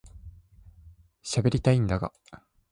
しゃべりたいんだが